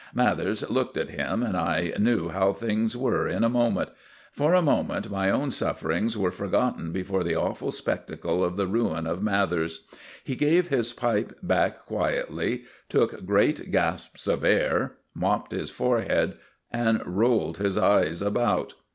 Mathers looked at him, and I knew how things were in a moment. For a moment my own sufferings were forgotten before the awful spectacle of the ruin of Mathers. He gave his pipe back quietly, took great gasps of air, mopped his forehead, and rolled his eyes about.